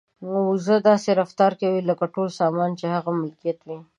وزه داسې رفتار کوي لکه ټول سامان چې د هغې ملکیت وي.